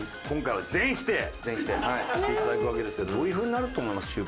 今回は全否定していただくわけですけどどういう風になると思います？